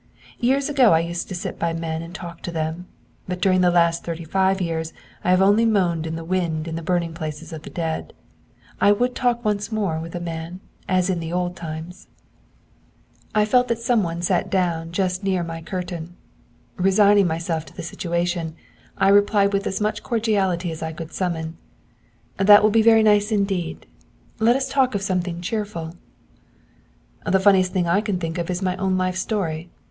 Years ago I used to sit by men and talk to them. But during the last thirty five years I have only moaned in the wind in the burning places of the dead. I would talk once more with a man as in the old times.' I felt that some one sat down just near my curtain. Resigning myself to the situation, I replied with as much cordiality as I could summon: 'That will be very nice indeed. Let us talk of something cheerful.' 'The funniest thing I can think of is my own life story.